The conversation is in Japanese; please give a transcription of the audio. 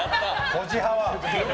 こじ派は？